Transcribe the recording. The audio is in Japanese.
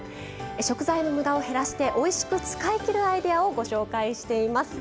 食材のムダを減らしておいしく使いきるアイデアをご紹介しています。